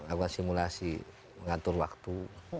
aku simulasi mengatur waktu